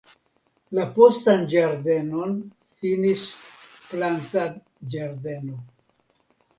La postan ĝardenon finis plantadĝardeno.